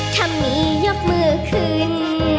ถ้ามียกมือขึ้น